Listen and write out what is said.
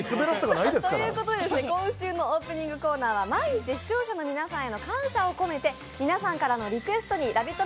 今週のオープニングコーナーは視聴者の皆さんに感謝を込めて、皆さんからのリクエストにラヴィット！